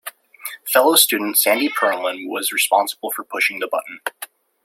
Fellow student Sandy Pearlman was responsible for pushing the button.